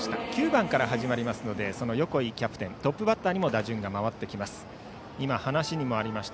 ９番から始まりますのでその横井キャプテントップバッターにも打順が回ってきます。